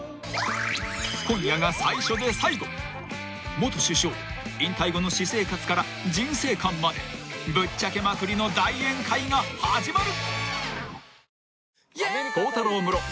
［元首相引退後の私生活から人生観までぶっちゃけまくりの大宴会が始まる］